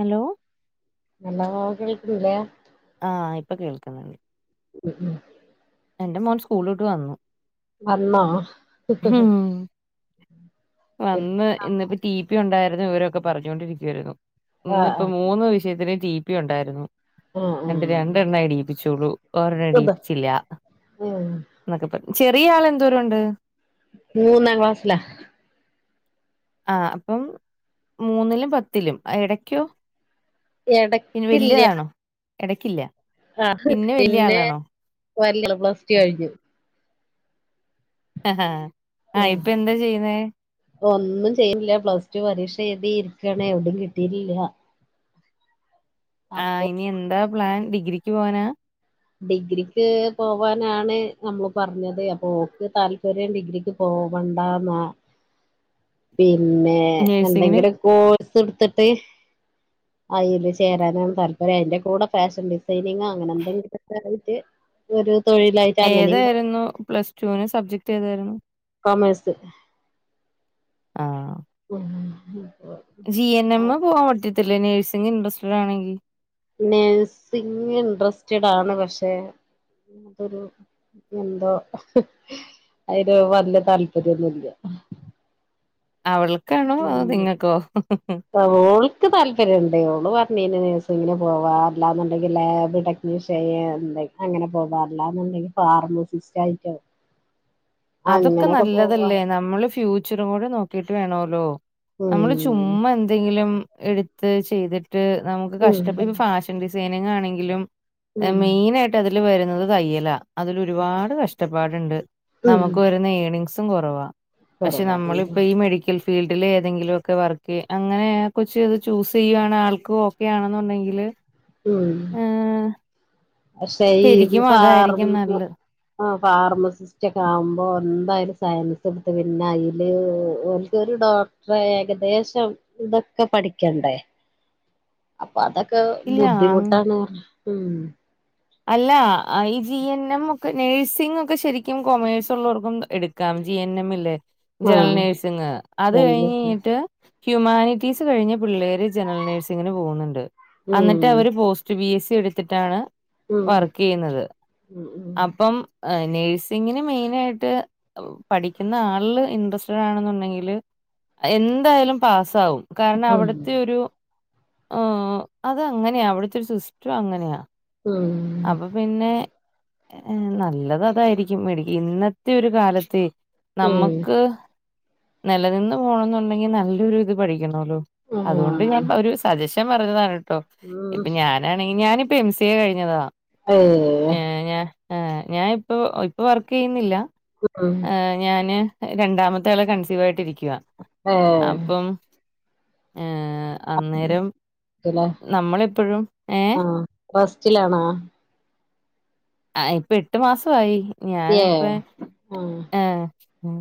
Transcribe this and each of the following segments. Hello നല്ല കളിക്കടല്ലേ ആ ഇപ്പ കേൾക്കുന്നുണ്ട് ഉം ഉം എന്റെ മോൻ സ്കൂളു വിട്ടു വന്നു വന്നോ ഉം ആഹ് വന്ന് ഇന്നിപ്പ ടി പി ഉണ്ടാരു രുന്ന വിവരൊക്കെ പറഞ്ഞൊണ്ടിരിക്കുവാരുന്നു ആഹ് ഇന്നിപ്പോ മൂന്നു വിഷയത്തിനെ ടി പി ഒണ്ടാരുന്നു ആഹ് രണ്ട് ആഹ് രണ്ടെണ്ണേടീപ്പിച്ചുള്ളൂ ഒരെ അത ണ്ണഇടീപ്പിച്ചില്ല ഉം ചെറിയ ആളെന്തോരം ഉണ്ട് മൂന്നാം ക്ലാസ്സിലാ ആ അപ്പം മൂന്നിലും പത്തിലും എടയ്ക്കോ എടക്കില്യ എടക്കില്ല ആ പിന്നെ വല്യ പ്ലസ് ടൂ കഴിഞ്ഞു ആ ഹ ഹ ആ ഉം ഇപ്പ എന്താ ചെയ്യുന്നേ ഒന്നും ചെയ്യുന്നില്ല പ്ലസ് ടു പരീക്ഷ എഴുതി ഇരിക്കണേ ഒസ്‌ടീം കിട്ടീട്ടില്ല ആ ഇനി എന്താ പ്ലാൻ ഡിഗ്രിക്ക് പോവനാ ഡിഗ്രിക്ക് പോവാനാണ് നമ്മള് പറഞ്ഞത് അപ്പൊ ഓക്ക് താല്പര്യം ഡിഗ്രിക്ക് പോവാ പോവണ്ടാന്നാ ഡി പിന്നെ നഴ്സിങ്ങിന് എന്തെങ്കിലും കോഴ്സ് എടുത്തിട്ട് അയില് ചേരാനാണ് തല്പര അതിന്റെ കൂടെ ഫാഷൻ ഡിസൈനിങ് അങ്ങനെ എന്തെങ്കിലുമൊക്കായാ യിട്ട് ഒരു തൊഴിലായിട്ട് അങ്ങനെയും ഏതായിരുന്നു പ്ലസ് ടുവിന് സബ്ജക്ട് ഏതായിരുന്നു ആഹ് ഉ ല്ലേ നഴ്സിങ് ഇന്റെരെസ്റ്റിൽ ആണെങ്കിൽ നേഴ്സിങ് ഇന്ട്രസ്റ്റഡ് ആണ് പക്ഷെ അതൊരു എന്തോ അതിന് വല്ല താല്പര്യൊന്നുമില്ല അവൾ ഉ ആ ഓൾക്ക് താല്പര്യം ഒണ്ടോ ഓളു പറഞ്ഞു മീനെ നഴ്സിങ്ങിന് പോവാം അല്ലാ ന്നുണ്ടെങ്കിൽ ലാബെ ടെക്നീഷ്യൻ എന്തെ അങ്ങനെ പോവാ അല്ലാതെന്തിനെ പിന്നെ ഫർമസിസ്റ്റായിട്ടേ അതൊക്കെ നല്ലതല്ലേ നമ്മള് ഫ്യൂച്ചറും കൂടി നോക്കീട്ട് വേണല്ലോ നമ്മള് ഉം ചുമ്മാ എന്തെങ്കിലും എടുത്ത് ചെയ്തിട്ട് തെ നമുക്കെ ഉം കഷ്ട്ടത്തിൽ ഫാഷൻ ഡിസൈനിങ് ആണെങ്കിലും ഉം മെയിൻആയിട്ടതെടുത്തെ ന്നെ വരുന്നത് തയ്യലാ അതിൽ ഒരുപാട് കഷ്ടപ്പാട്ടുണ്ട് ഉം നമുക്ക് വരുന്ന ഏർണിങ് സും കൊറവാ പക്ഷെ കുറവാണ് നമ്മളിപ്പ ഈ മെഡിക്കൽ ഫീൽഡിൽ ഏതെങ്കിലൊക്കെ വർക്ക് അങ്ങനെആ കൊച്ച് അത് ചൂസ് ചെയ്യുവാണ് ആൾക്കും ഓക്കെ ആണെന്നുണ്ടെങ്കിൽ ഉം പക്ഷെ ഈ ശരിക്കും അതായിരിക്കും ഫാർമ നല്ലത് ആ ഫാർമസിസ്റ്റ് ഒക്കെ ആവുമ്പോ എന്തായാലും സയൻസ് എടുത്ത് പിന്നെ അയില് ഓ ഡോക്ടറെ ഏകദേശം ഇതൊക്കെ പഠിക്കണ്ടേ അപ്പൊ അതൊക്കെ ഇല്ല അങ് ബുദ്ധിമുട്ടാണ് ഉ അല്ല ഈ ജി എൻ എം ഒക്കെ നേഴ്സിംഗ് ഒക്കെ ശരിക്കും കൊമേഴ്സ് ഉള്ളോർക്കും എടുക്കാം ജി എൻ എം ഇല്ലേ ജനറൽ ആഹ് നേഴ്സിങ് അത് രണ്ട് കഴിഞ്ഞ് ലക്ഷം കഴിഞ്ഞിട്ട്. ഹ്യൂമാനിറ്റീസ് കഴിഞ്ഞ പിള്ളേര് ജനറൽ നേഴ്സിംഗിന് പോന്നൊണ്ട്. ഉം അന്നിട്ട് അവെര് പോസ്റ്റ് ബി എസ് സി എടുത്തിട്ടാണ് ഉം വർക്ക് ചെയ്യുന്നത് ഉം അപ്പം നേഴ്സിങ്ങിന് മെയിനായിട്ട് പഠിക്കുന്നയാളില് ഇൻട്രസ്റ്റഡാണെന്നുണ്ടെങ്കില് എന്തായാലും പാസ്സാവും. കാരണം ഉം ഉം അവിടെത്തെയൊരു ആ ആഹ് അതങ്ങനെയാ. അവിടെത്തൊരു സിസ്റ്റം അങ്ങനെയാ. ഉം അപ്പൊ പിന്നെ ഏ നല്ലയതായിരിക്കും. മേടിക്ക് ഇന്നത്തെ ഒരു കാലത്തേ ഉം നമ്മെക്ക് നിലനിന്ന് പോണോന്നുണ്ടെങ്കിൽ നല്ലൊരു ഇത് പഠിക്ക ണോല്ലോ. അതുകൊണ്ട് ഞാൻ ആഹ് ഒരു സജഷൻ പറഞ്ഞതാണുട്ടോ. ഉം ഇപ്പൊ ഞാനാണെങ്കി ഞാനി ഇപ്പ എം സി എ കഴിഞ്ഞതാ. ഓഹ് ഹ് ഞാനിപ്പോ ഇപ്പോ വർക്ക് ചെയ്യുന്നില്ല. ഉം ഞാന് രണ്ടാമത്തെ ആള് കൺസീവായിട്ടിരിക്ക. ഉം ഏഹ് ഏഹ് അന്നേരം നമ്മളിപ്പഴും ഏഹ് ആഹ് റസ്റ്റിലാണോ ആഹ് ഇപ്പ എട്ടു മാസ്വായി. ഏ ഞാനിപ്പ ആഹ് ഉം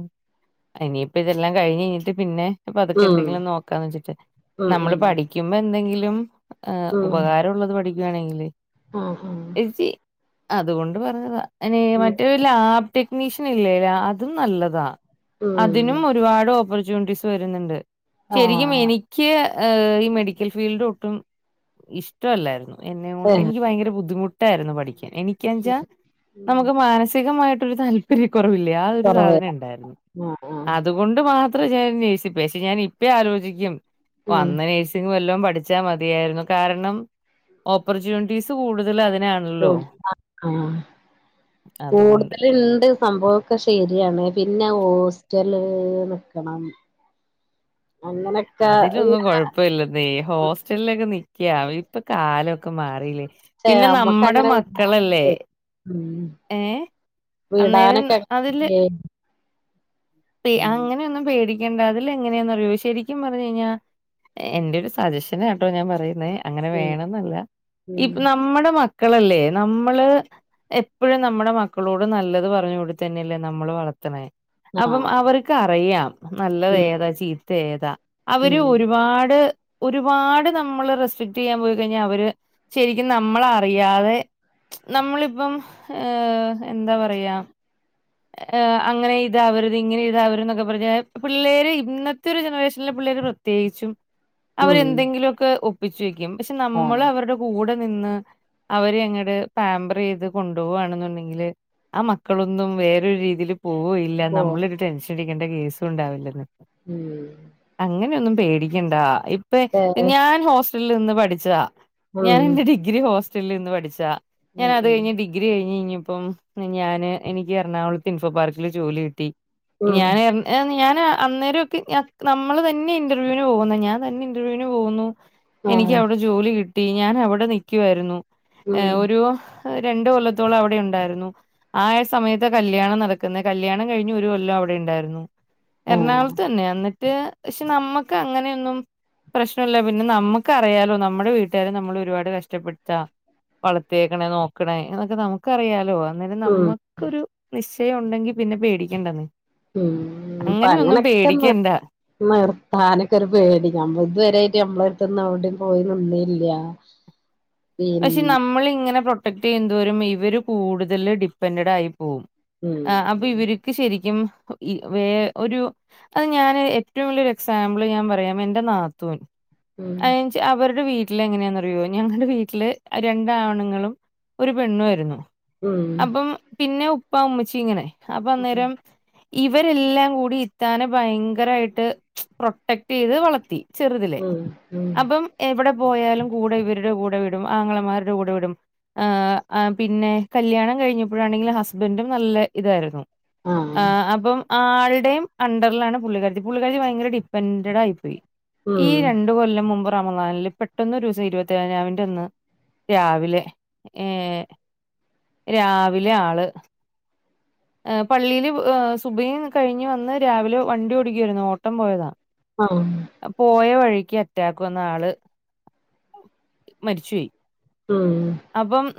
ഇനിയിപ്പയിതെല്ലാം കഴിഞ്ഞ് കഴിഞ്ഞിട്ട് പിന്നെ. പതുക്കെ ഉം എന്തെങ്കിലും നോക്കാന്ന് വെച്ചിട്ട്. ഉം നമ്മെള് ഉം പഠിക്കുമ്പെ എന്തെങ്കിലും. ഏഹ് ഉപകാര ഉള്ളത് പഠിക്ക്വാണെങ്കിലേ ഉം ഉം അത്കൊണ്ട് പറഞ്ഞതാ അയ്ന് മറ്റേ ലാബ് ടെക്നീഷ്യനില്ലേ ലാ അതും നല്ലതാ. ഉം അതിനും ഒരുപാട് ഓപ്പർച്യൂണിറ്റീസ് വര്ന്ന്ണ്ട് ശെരിക്കും ആഹ് എനിക്ക് ഏഹ് ഈ മെഡിക്കൽ ഫീൽഡ് ഒട്ടും ഇഷ്ടൊല്ലായിരുന്നു. എനേം ക്കൊണ്ട് ഏഹ് എനിക്ക് ഭയങ്കര ബുദ്ധിമു ട്ടാരുന്നു പഠിക്കാൻ. എനിക്കെച്ചാ ഉം നമ്മുക്ക് മാനസികമായിട്ടൊരു താല്പര്യ കൊറവില്ലേ ആ ഒരു കൊറവേ സാധനെണ്ടായിരുന്നു. ആഹ് ആഹ് അത്കൊണ്ട് മാ ത്ര ഞാൻ നേഴ്സി പോയേ പക്ഷെ ഞാൻ ഇപ്പ യാലോചിക്കും ഓഹ് ഉം അന്ന് നേഴ്സിങ് വലോം പഠി ച്ചമതിയായ്‌ര്ന്നു. കാരണം ഓപ്പർച്യുണീറ്റിസ് കൂടുതലതി ഓഹ് ആഹ് ആഹ് അതുകൊണ്ട് കൂടുതല്ണ്ട് സംഭവൊക്കെ ശെര്യാണ്. പിന്നെ ഹോസ്റ്റലോ നിക്കണം. അങ്ങനൊക്കെ അതിനൊന്നും ഇങ്ങനെ കൊഴപ്പില്ലന്നെ ഹോസ്റ്റലിലൊക്കെ നിക്ക്യാ ഇപ്പോ കാലൊക്കെ മാറില്ലേ. ചെ പിന്നെ അമ്മക്ക് നമ്മടെ അങ്ങനെ മക്കളല്ലേ വിടാനൊക്കെ ഉം ഏഹ് അന്നേരം വിടാനൊക്കെ അതില് പേ പേ അങ്ങനൊന്നും പേടിക്കേണ്ട അതിലെങ്ങനെയാന്നറിയോ ശെരിക്കും പർഞ്ഞഴ്ഞ്ഞാ. എന്റൊരു സജെഷനാട്ടോ ഞാൻ പറയുന്നേ. അങ്ങനെ ഉം വേണന്നല്ല ഉം ഇപ്പ് നമ്മടെ മക്കളല്ലേ നമ്മള് എ പ്പഴും നമ്മടെ മക്കളോട് നല്ലത് പറഞ്ഞ്കൊട്ത്തന്നല്ലേ നമ്മള് വളർത്ത്ണേ. അപ്പം ആഹ് അവർക്കറിയാം നല്ലത് ഉം ഏതാ ചീത്ത ഏതാ അവര് ഉം ഒരുപാട് ഒരുപാട് നമ്മള് റെസ്ട്രിക്റ്റെയ്യാൻ പോയി കഴിഞ്ഞാ അവര് ശെരിക്കും നമ്മളറിയാതെ നമ്മളിപ്പം ഏഹ് എന്താ പറയാ ഏഹ് അങ്ങനെയിതാവരുത് ഇങ്ങനെയിതാവരു എന്നൊക്കെ പർഞ്ഞ പിള്ളേര് ഇന്നത്തൊരു ജനറേഷനിലേ പി ള്ളേര് പ്രത്യേച്ചും ഉം അവരെന്തെങ്കിലൊക്കെ ഒപ്പിച്ച് വെക്കും പക്ഷെ നമ്മൾ ആഹ് അവര്ടെ കൂടെ നിന്ന് അവരങ്ങട് പാമ്പറെയ്ത് കൊണ്ടോവാന്ന്ണ്ടെങ്കില് ആ മക്കളൊന്നും വേറൊരു രീതിയിൽ പോവയില്ല. ഓ നമ്മളൊരു ടെൻഷൻ അടിക്കേണ്ട കേസും ഉണ്ടാവില്ലെന്ന്. ഉം- പേടിക്കണ്ടാ ഇപ്പ ഏ ഞാൻ ഹോസ്റ്റലിൽ നിന്ന് പഠിച്ചതാ. ഉം ഞാൻ എന്റെ ഡിഗ്രി ഹോസ്റ്റ ലിന്ന് പഠിച്ചാ ഞാൻ ഉം അത് ഉം കഴിഞ് ഡിഗ്രി കഴിഞ്ഞ്ഞ്ഞിപ്പം ഞാന് എനിക്ക് എറണാകുള ഇൻഫോ പാർക്കില് ജോലി കിട്ടി ഉം ഞാൻ ഞാനാ- അന്നേരൊക്കെ നമ്മള് തന്നെ ഇന്റർവ്യൂന് പോകുന്നു ഞാൻ തന്നെ ഇന്റർവ്യൂന് പോകുന്നു- എനിക്ക് ആഹ് അവിടെ ജോലി കിട്ടി ഞാൻ അവിടെ നിക്കുവായിരുന്നു ഏ ഉം ഒരു രണ്ട് കൊല്ലത്തോളം അവിടെ ഉണ്ടായിരുന്നു ആ സമയത്ത് കല് കല്യാണം നടക്കുന്നെ കല്യാണം കഴിഞ്ഞ് ഒരു കൊല്ലം അവിടെ ഉണ്ടായിരുന്നു ആഹ് എറണാകുളത്ത് തന്നെ അന്ന് ര് പക്ഷെ നമ്മക്ക് അങ്ങനെയൊന്നും- പ്രശ്നല്ല പിന്നെ നമക്കറിയാലോ നമ്മുടെ വീട്ടുകാരെ നമ്മളെ ഒരുപാട് കഷ്ടപ്പെടുത്താ- വളർത്തേക്ക്ണെ നോക്ക്ണേ എന്നൊക്കെ നമുക്കറിയാലോ- അന്നേരം ഉം നമ്മക്കൊരു നിശ്ചയം ഒണ്ടെങ്കി പിന്നെ പേടിക്കണ്ടല്ലോ- ഉം ഇപ്പ അങ്ങനൊക്കെ മ നിർത്താനൊക്കെ ഒരു പേടി നമ്മ ഇതുവരെയായിട്ട് നമ്മളെര്ത്ത്ന്ന്- അവിടിം പോയി നിന്നില്ല- പക്ഷെ പിന്നെ നമ്മൾ ഇങ്ങനെ പ്രൊട്ടക്ട് ചെയ്യുതോരും ഇവര് കൂടുതല് ഡിപ്പെൻഡഡെ ആയി പോവും ഉം അപ്പൊ ഇവര്ക്ക് ശരിക്കും വേ ഒരു അത് ഞാന് ഏറ്റവും വലിയൊരു എക്സാമ്പിൾ ഞാൻ പറയാം എന്റെ നാത്തൂൻ- ഉം അ അവരുടെ വീട്ടിൽ എങ്ങനെയാന്നറിയോ ഞങ്ങള്ടെ വീ വീട്ടില് രണ്ട് ആണുങ്ങളും ഒരു പെണ്ണും ആയിരുന്നു ഉം അപ്പം പിന്നെ- ഉപ്പ ഉമ്മച്ചി ഇങ്ങനെ അപ്പൊ ഉം അന്നേരം- ഇവരെല്ലാം കൂടി ഇത്താനെ ഭയങ്കരായിട്ട് പ്രൊട്ടക്ട് ചെയ്ത് വളത്തി- ചെറുതിലേ ഉം ഉം അപ്പം എവിടെ പോയാലും കൂടെ ഇവരുടെ കൂടെ വി ടും ആങ്ങളമാരുടെ കൂടെ വിടും- ആ അ പിന്നെ കല്ല്യാണം കഴിഞ്ഞപ്പഴാണെങ്കിലും ഹസ്ബൻഡും നല്ല ഇതായിരുന്നു ആഹ് അപ്പം ആഹ് ള്ടേയും അണ്ടറ്ലാണ് പുള്ളികാര്തി പുള്ളിക്കാര്തി ഭയങ്കര ഡിപ്പെൻ്റഡായി പോയി ഈ ഉം രണ്ടു കൊല്ലം മുമ്പ് റമളാനില് പെട്ടന്ന് ഒരൂവസം ഇര്പത്തേഴാം രാവിന്റെ അന്ന് രാവിലെ ഏഹ് രാവിലെ ആള് ഏഹ് പള്ളീല് സുബയും കഴിഞ്ഞ് വന്ന് രാവിലെ വണ്ടി ഓടിക്കായിരുന്നു ഓട്ടം പോയതാ ആഹ് അപോയ വഴി ക്ക് അറ്റാക്ക് വന്ന് ആള് മരിച്ചോയി ഉം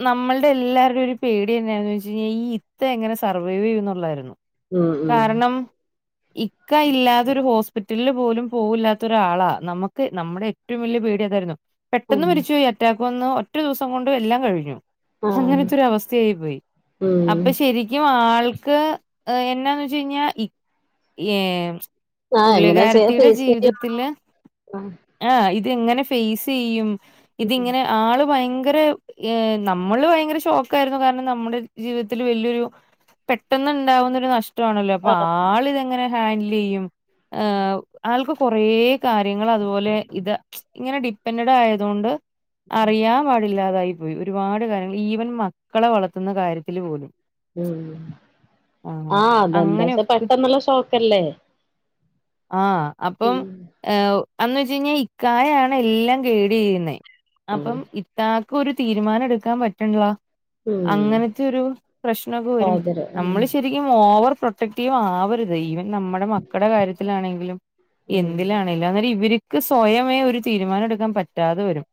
നമ്മൾടെ എല്ലാരുടെയും ഒരു പേടി എന്നാന്ന് വെച്ച് കഴിഞ്ഞാ ഈ ഇത്ത എങ്ങനെ സർവൈവെയ്യും എന്നുള്ള്വായ്രുന്നു ഉം ഉം ഇക്ക ഇല്ലാതൊരു ഹോസ്പിറ്റലില് പോലും പോകില്ലാത്ത ഒരാളാ നമുക്ക് നമ്മടെ ഏറ്റവും വലി പേടി അതായിരുന്നു ഉം പെട്ടെന്ന് മരിച്ചു പോയി അറ്റാക്ക് വന്നു ഒറ്റ ദിവസം കൊണ്ട് എല്ലാം കഴിഞ്ഞു ആഹ് അങ്ങനെത്തൊര് അവസ്ഥയായി പോയി ഉം അപ്പൊ ശെരിക്കും ആൾ ക്ക് എന്നാന്ന് വെച്ച് കഴിഞ്ഞാ ഏഹ് ആഹ് എങ്ങനെ ചെയ്യ പുള്ളികാര്ത്തിയുടെ ഫേസ് ചെയ്യ ജീവിതത്തില് ആഹ് ആഹ് ഇത് എങ്ങനെ ഫേയ്സ് ചെയ്യും ഉം ഇതിങ്ങനെ ആള് ഭയ ങ്കര ഹ് നമ്മള് ഭയങ്കര ഷോക്കായ്രുന്നു കാര്ണം നമ്മുടെ ജീവിതത്തില് വല്യെരു പെട്ടെന്ന് ഇണ്ടാവുന്നൊരു നഷ് ട്വാണല്ലോ അപ്പൊ ആഹ് ആളിതെങ്ങനെ ഹേൻഡിലെയ്യും ഉം ആൾക്ക് കൊറേ കാര്യങ്ങൾ അതുപോലെ ഇത് ഇങ്ങനെ ഡിപ്പെൻഡഡ് ആയതോണ്ട് അറിയാ ഇല്ലാതായി പോയി ഒരുപാട് കാര്യങ്ങൾ ഈവൻ മക്കളെ വളർത്തുന്ന കാര്യത്തില് പോലും ഉം ആഹ് ആതെന്താച്ചാ പെട്ടെന്നുള്ള ഷോക്കല്ലേ ആഹ് അപ്പം ഉം ഏഹ് അന്ന് വെച്ച് കഴിഞ്ഞാ ഇക്കാനേ ആണ് എല്ലാം ഗൈഡ് ചെയ്യുന്നെ അപ്പം ആഹ് ഇത്താക്ക് ഒരു തീരുമാനം എടുക്കാൻ പറ്റ്ണ്ല്ലൊ ഉം അങ്ങനത്തെ ഒരു പ്രശ്നമൊക്കെ വരും സാഹചര്യം നമ്മള് ശരിക്കും ഓവർ പ്രൊട്ടക്ടീവാവരുത് ഈവൻ നമ്മടെ മക്കൾടെ കാര്യത്തിലാണെങ്കിലും ഉം എന്തിലാണെങ്കിലും അങ്ങനെ ഇവര് ക്ക് സ്വയമേ ഒരു തീരുമാനടുക്കാൻ പറ്റാതെ വരും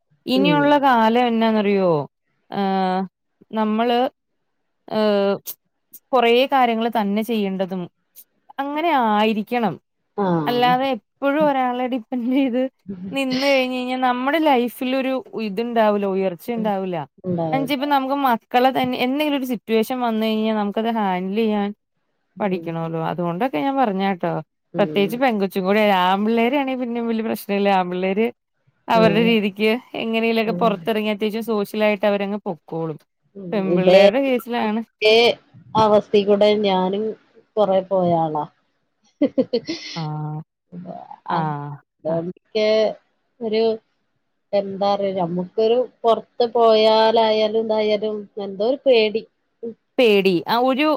ഉം ഉം ഇനിയുള്ള ലെ എന്നാന്നറിയോ ആ നമ്മള് ഏഹ് കൊറേ കാര്യങ്ങൾ തന്നെ ചെയ്യേണ്ടതും അങ്ങനെ ആയിരിക്കണം ആഹ് അല്ലാതെ എപ്പഴും ഒരാളെ ഡിപ്പെൻഡ് ചെയ്ത് നിന്ന് കഴിഞ്ഞഴിഞ്ഞാൽ ന നമ്മുടെ ലൈഫിൽലൊരു ഇത്ണ്ടാവില്ല. ഉയർച്ചയുണ്ടാവൂല്ല ഉണ്ടായത് എൻച്ചിപ്പ നമുക്ക് മക്കളെ തന്നെ എന്നേലും റ്റുവേഷൻ വന്ന് കഴിഞ്ഞാ നമുക്കത് ഹാൻഡില് ചെയ്യാൻ ഉം പഠിക്കണോല്ലോ അതുകൊണ്ടൊക്കെ ഞാൻ പറഞ്ഞേ. ട്ടോ ഉം പ്രത്യേകിച്ച് പെങ്കച്ചും കൂടെ ആമ്പിള്ളേരാണേൽ പിന്നെ വല്ല്യ പ്രശ്നല്ല ആമ്പിള്ളേര് അവരുടെ ഉം രീതിക്ക് എങ്ങനെലൊക്കെ ഉം പൊറത്തിറങ്ങിയത്യാവശ്യം സോഷ്യലായിട്ട് അവരങ് പോം ഉ ഇതേ തെ അവസ്ഥി കൂടെ ഞാനും കൊറെ പോയാളാ ഹ് ഹ് ആഹ് ആഹ് ആഹ് [unintelligible] ഒരു എന്താ റ നമ്മുക്കൊരു പോറ്ത്ത് പോയാലായാലും ഇതായാലും തും എന്തോര് പേടി പേടി അ ഒരു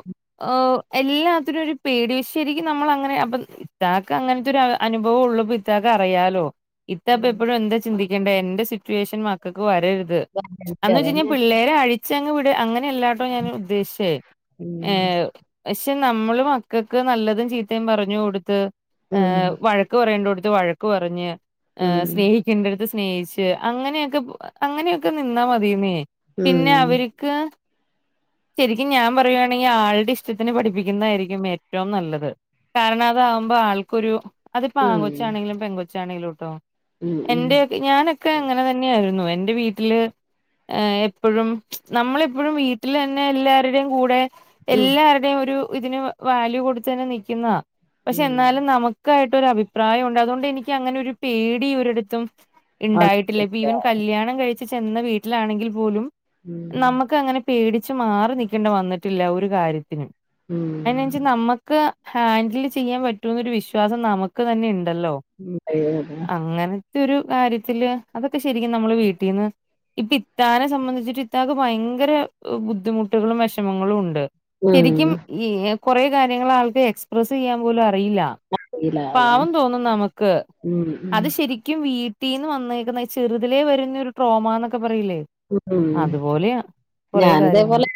ആഹ് എല്ലാത്തിനൊരു പേടി ശരിക്കും നമ്മൾ അങ്ങനെ അപ്പം ത്താക്ക് അങ്ങൻത്തെ ഒരൂ അനുഭവം ള്ളപ്പോ ത്താക്കറിയാലോ ഇത്ത ഇപ്പ ഉം എപ്പഴും എന്താ ചിന്തിക്കേണ്ടേ എന്റെ സിറ്റുവേഷൻ മക്കൾക്ക് വരരുത് ത് അതന്നെ അന്ന് ച്ചീന്നാ അതന്നെ പിള്ളേരാ ഴിച് [unintelligible] അങ്ങനെയല്ലാട്ടോ ഞാൻ ഉദ്ദേശിച്ചേ ഹേ ഉം ക്ഷെ നമ്മള് മക്കക്ക് നല്ലതും ചീത്തയും പറഞ് കൊടുത്ത് ഹേ ഉം വഴക്ക് പറയേണ്ടോ ത്ത് വഴക്ക് പറഞ് ഹേ ഉം സ്നേഹിക്കണ്ടെട്ത്ത് സ്നേഹിച്ച് അങ്ങനെയൊക്കെ അങ്ങനെയൊക്കെ നിന്നാ മതിയന്നേ ഉം പിന്നെ അവര്ക്ക്- ശരിക്കും ഞാൻ പറയുയാണെങ്കി ആളുടെ ഇഷ്ടത്തിന് പഠിപ്പിക്കുന്നതായിരിക്കും ഏറ്റവും നല്ലത്- കാരണം അതാകുമ്പോ ആൾക്കൊരു- അതിപ്പ ഉം ആങ്കോച്ചാ ഉം ണെങ്കിലും പെങ്കോച്ചാണെങ്കിലും ട്ടോ ഉം എന്റെ ഞാനൊക്കെ അങ്ങനെതെന്നെയായിയിരുന്നു- ഇന്റെ വീട്ടില് ഏഹ് എപ്പഴും നമ്മളെപ്പഴും വീട്ടിലെന്നെ എല്ലാരെടേം കൂടെ- ഉം ഉം എല്ലാരുടെയും ഒരു ഇതിന് വാല്യൂ കൊടുത്ത് ന്നെ നിക്ക്യ്ന്ന- പക്ഷെ എന്നാലും നമുക്കായിട്ടൊരു അഭിപ്രായുണ്ട് അതോണ്ട് എനിക്ക് അങ്ങനെ ഒരു പേടി ഒരിടത്തും- ഇണ്ടായിട്ടില്ല ഇപ്പ വന്നിട്ടില്ല. ഇവൻ കല്യാണം കഴിച് ചെന്ന വീട്ടിലാണെങ്കിൽ പോലും- ഉം നമക്ക് അങ്ങനെ പേടിച് മാറി നിക്കേണ്ട വന്നിട്ടില്ല ഒരു കാര്യത്തിനും- ഉം അയ്നഞ്ച് നമ്മക്ക് ഹാന്ൻഡിൽ ചെയ്യാൻ പറ്റൂനൊരു വിശ്വാസം നമുക്ക് തന്നെ ഇണ്ട്- ണ്ടല്ലോ ഉം ഫീലാവതാ അങ്ങനത്തെരു കാര്യത്തില് അതൊക്കെ ശരിക്കും നമ്മള് വീട്ടീന്ന്- ഇപ്പി ത്താനെ സംബന്ധിച്ചിട്ട് ഇത്താക്ക് ഭയങ്കര- ബുദ്ധിമുട്ടുകളും വെഷമങ്ങളും ഉണ്ട് ശരിക്കും ഉം ഈ- കൊറേ കാര്യങ്ങള് ആൾക്ക് എക്സ്പ്രസ് യ്യാൻ പോലുംഅ റിയില്ല ഇല്ലാതെ. പാവം തോന്നും നമ്ക്ക് ഉം ഉം അത് ശരിക്കും വീ ട്ടീന്ന് വന്നേക്ന്ന ചെറ്തിലേ വരുന്ന ഒരു ട്രോമന്നൊക്കെ പറയില്ലേ ഉം. അതുപോലെയ- കൊറെ കാര്യങ്ങള് -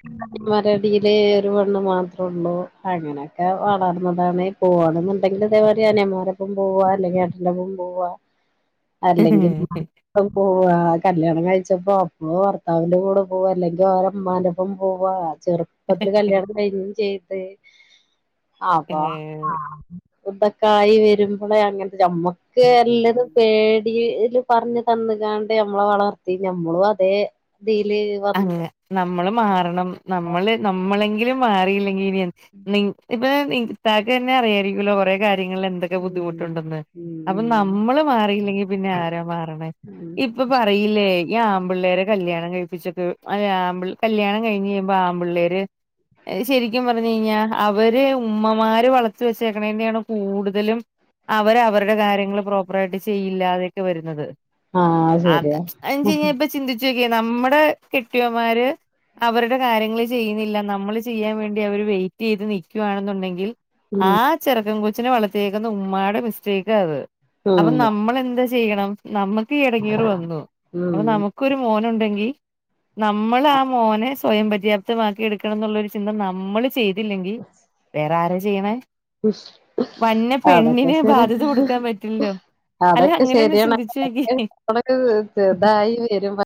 മരടില് ഒരു പേണ്ണ് മാത്ര ള്ളൂ അങ്ങനെക്കെ വളർന്നതാണ് പോകാതെന്ണ്ടെങ്കിൽ- ഇതേമാരി അനിയന്മാരൊപ്പം പോവാ അല്ലെങ്കി അച്ചന്റൊപ്പം പോവാ- അല്ലെങ്കി പോവാ കല്യാണം കഴിച്ചപ്പോ- [unintelligible] ഭർത്താവിന്റെ കൂടെ പോവാ അല്ലെങ്കി ഓരെമ്മാന്റൊ പ്പം പോവാ- ചെറുപ്പത്തില് കല്യാണം കഴിഞ്ഞും ചെയ്ത് അപ്പൊ ആഹ് - ഉത്തക്കായി വരുമ്പളെ അങ്ങനത്തെ നമ്മക്ക് എല്ലതും ഏ പേടി- ട്ടിപറഞ് തന്ന്കാണ്ട് ഞമ്മളെ വളർത്തി ഞമ്മളും അതേ- ഇതില് അതെ വന്ന് നമ്മള് മാറണം നമ്മള് നമ്മളെങ്കിലും മാറിയില്ലെ- [unintelligible] ഇപ്പൊ ഇത്താക്കു തന്നെ അറിയായിരിക്കുമല്ലോ കൊറെ കാ [unintelligible] എന്തൊക്കെ ബുദ്ധിമുട്ട് ഉം ഉണ്ടെന്ന് ഉം അപ്പം ഉം നമ്മള് മാറിയില്ലെങ്കി പിന്നെ ആരാ മാറണേ ഉം ഇപ്പ പറയില്ലേ. ഈ ആമ്പിള്ളേരെ കല്യാണം കഴിപ്പിച്ചക്കെ വി [unintelligible] ആമ്പിൾ കല്യാണം കഴിഞ്ഞ് കഴിയുമ്പോ ആമ്പിള്ളേര് അത് ശരിക്കും പറ [unintelligible] അവര് ഉമ്മമാര് വളച്ചു വെച്ചേക്കെണേന്റെണ് കൂടുതലും അവര് അവരുടെ കാര്യങ്ങള് പ്രോപ്പറായിട്ട് ചെയ്യില്ലാ അതൊക്കെ വരുന്നത്. ആഹ് അ ശരിയാ [unintelligible] ഇപ്പൊ ചിന്തിച്ചു നോക്കിയേ നമ്മടെ കെട്ടിയോന്മാര് അവരുടെ കാര്യങ്ങള് ചെയ്യുന്നില്ല. നമ്മള് ചെയ്യാൻ വേണ്ടി അവര് വെയിറ്റ് ചെയ്ത് നിക്കുവാണെന്നുണ്ടെങ്കിൽ ഉം ആ ചെറുക്കൻ കൊച്ചിനെ വളർത്തിയേക്കുന്ന ഉമ്മാടെ മിസ്റ്റേക്കാ അത്. അപ്പൊ ഉം നമ്മളെന്താ ച് ചെയ്യണം നമ്മക്ക് ഈ എടങ്ങേറ് വന്നു. ഉം അപ്പൊ നമുക്കൊരു മോനുണ്ടെങ്കി നമ്മള് ആ മോനെ സ്വയം പര്യാപ്തമാക്കി എടുക്കണം എന്നുള്ളൊരു ചിന്ത നമ്മള് ചെയ് [unintelligible] വേറെ ആരാ ചെയ്യണേ? വന്ന അതൊക്കെ പെണ്ണിന് ബാധ്യത കൊടുക്കാൻ ശരിയാ പറ്റില്ലോ. അല്ല അതൊക്കെ അങ്ങനെ ഒന്ന് ശരിയാണ് ചിന്തിച്ചു അതൊക്കെ നോക്കിയേ നമ്മള് ഇതായി വരും